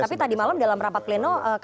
tapi tadi malam dalam rapat pleno